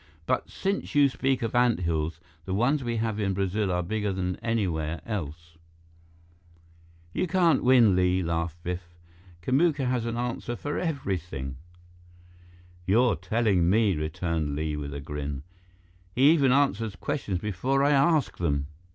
"But since you speak of ant hills, the ones we have in Brazil are bigger than anywhere else." "You can't win, Li," laughed Biff. "Kamuka has an answer for everything." "You're telling me?" returned Li, with a grin. "He even answers questions before I ask them."